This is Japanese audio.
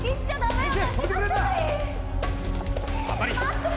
待って！